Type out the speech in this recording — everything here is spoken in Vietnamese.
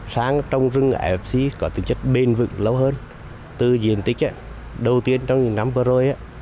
sang trồng rừng fsc có tính chất bền vững lâu hơn từ diện tích đầu tiên trong những năm vừa rồi